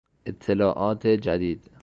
اطلاعات جدید